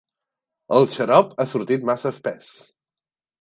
El xarop ha sortit massa espès.